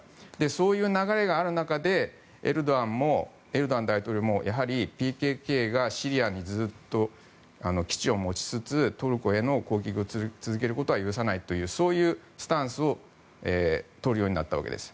そういう流れがある中でエルドアン大統領もやはりＰＫＫがシリアにずっと基地を持ちつつトルコへの攻撃を続けることは許さないというそういうスタンスを取るようになったわけです。